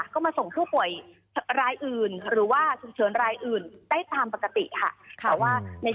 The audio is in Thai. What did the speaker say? ก็มาส่งผู้ป่วยรายอื่นหรือว่าฉุกเฉินรายอื่นได้ตามปกติค่ะ